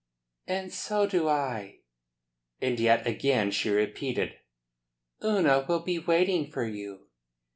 "And so do I." And yet again she repeated: "Una will be waiting for you."